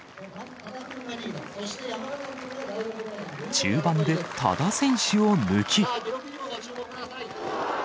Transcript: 中盤で多田選手を抜き。